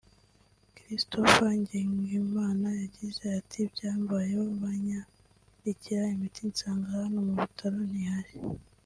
Christophe Nsengimana yagize ati “Byamabayeho banyandikira imiti nsanga hano mu bitaro ntihari